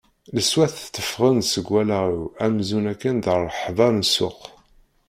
Leṣwat tteffɣen-d seg wallaɣ-iw amzun akken d rreḥba n ssuq.